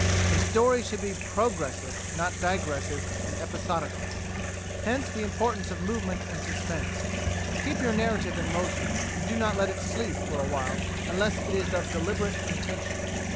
A story should be progressive, not digressive and episodical. Hence the importance of movement and suspense. Keep your narrative in motion, and do not let it sleep for a while unless it is of deliberate intention.